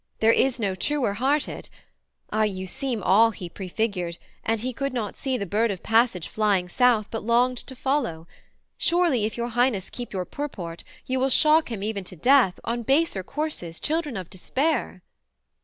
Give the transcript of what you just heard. There is no truer hearted ah, you seem All he prefigured, and he could not see The bird of passage flying south but longed To follow: surely, if your Highness keep Your purport, you will shock him even to death, Or baser courses, children of despair.'